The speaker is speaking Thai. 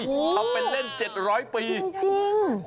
ทำเป็นเล่น๗๐๐ปีจริง